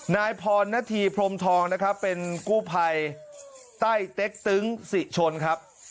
นายพรณฑีพรมทองนะครับเป็นกู้ภัยใต้เต็กตึงสิชนครับ